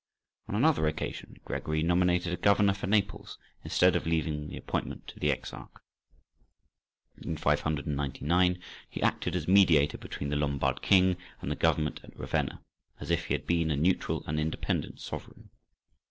On another occasion Gregory nominated a governor for Naples, instead of leaving the appointment to the Exarch. In 599 he acted as mediator between the Lombard king and the government at Ravenna, as if he had been a neutral and independent sovereign.